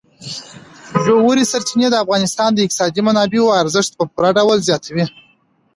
ژورې سرچینې د افغانستان د اقتصادي منابعو ارزښت په پوره ډول زیاتوي.